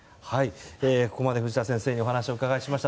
ここまで藤田先生にお話を伺いました。